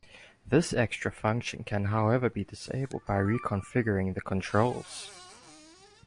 This extra function can however be disabled by reconfiguring the controls.